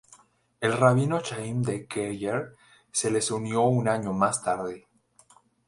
El Rabino Chaim D. Keller se les unió un año más tarde.